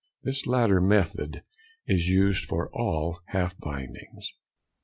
This latter method is used for all half bindings.